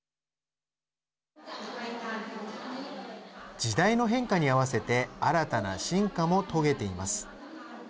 時代の変化に合わせて新たな進化も遂げています。